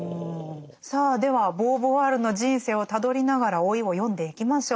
さあではボーヴォワールの人生をたどりながら「老い」を読んでいきましょう。